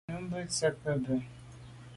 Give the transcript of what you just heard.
Nummbe ntse ke’ be.